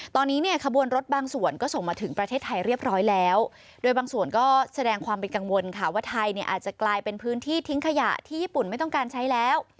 ตอนนี้เนี่ยขบวนรถบางส่วนก็ส่งมาถึงประเทศไทยเรียบร้อยแล้วโดยบางส่วนก็แสดงความเป็นกังวลค่ะว่าไทยเนี่ยอาจจะกลายเป็นพื้นที่ทิ้งขยะที่ญี่ปุ่นไม่ต้องการใช้แล้ว